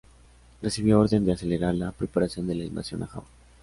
Recibió orden de acelerar la preparación de la invasión a Java.